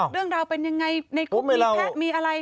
เรื่องราวเป็นยังไงในคุกมีแพะมีอะไร